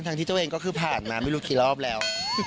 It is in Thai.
ที่ตัวเองก็คือผ่านมาไม่รู้กี่รอบแล้ว